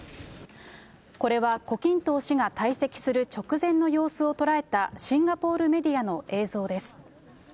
これは胡錦涛氏が退席する直前の様子を捉えた、シンガポールメディアの映像です。